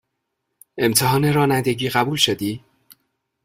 امتحان رانندگی قبول شدی؟